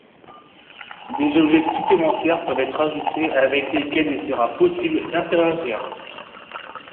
Des objets supplémentaires peuvent être ajoutés, avec lesquels il sera possible d'interagir.